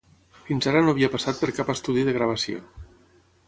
fins ara no havia passat per cap estudi de gravació